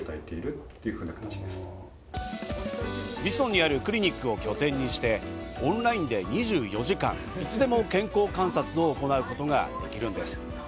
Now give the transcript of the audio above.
ＶＩＳＯＮにあるクリニックを拠点にして、オンラインで２４時間いつでも健康観察を行うことができるんです。